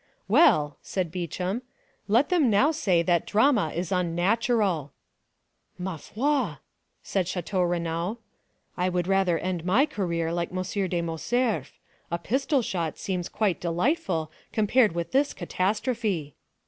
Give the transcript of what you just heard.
"Well," said Beauchamp, "let them now say that drama is unnatural!" "Ma foi!" said Château Renaud, "I would rather end my career like M. de Morcerf; a pistol shot seems quite delightful compared with this catastrophe."